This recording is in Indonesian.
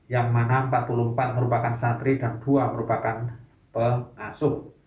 yang mana empat puluh empat merupakan santri dan dua merupakan pengasuh